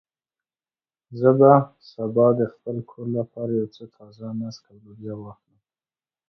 زه به سبا د خپل کور لپاره یو څه تازه نېسک او لوبیا واخلم.